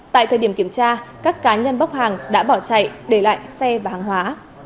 tại thời điểm kiểm tra các cá nhân bóc hàng đã bỏ chạy để lại xe và hàng hóa